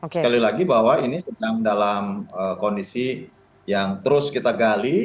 sekali lagi bahwa ini sedang dalam kondisi yang terus kita gali